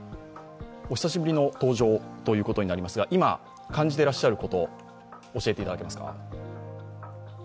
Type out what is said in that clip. お久しぶりの登場ということになりますが、今感じていらっしゃること、教えていただけますか？